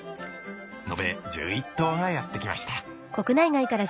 延べ１１頭がやって来ました。